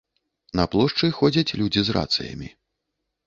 На плошчы ходзяць людзі з рацыямі.